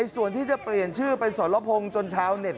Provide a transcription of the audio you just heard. ส่วนที่จะเปลี่ยนชื่อเป็นสรพงศ์จนชาวเน็ต